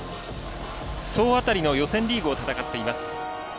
総当たりの予選リーグを戦っています。